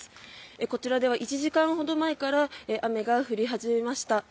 こちらでは１時間ほど前から雨が降り始めました。